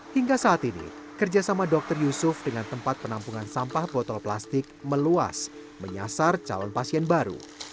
hingga saat ini kerjasama dr yusuf dengan tempat penampungan sampah botol plastik meluas menyasar calon pasien baru